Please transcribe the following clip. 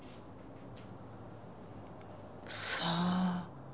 さあ。